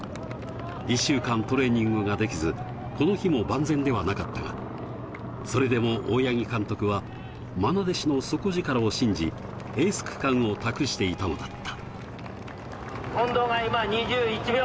１週間トレーニングができず、この日も万全ではなかったが、それでも大八木監督はまな弟子の底力を信じ、エース区間を託していたのだった。